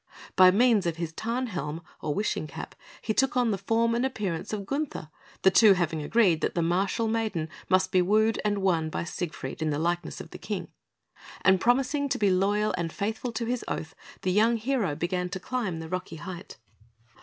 By means of his Tarnhelm, or wishing cap, he took on the form and appearance of Gunther the two having agreed that the martial maiden must be wooed and won by Siegfried in the likeness of the king and promising to be loyal and faithful to his oath, the young hero began to climb the rocky height.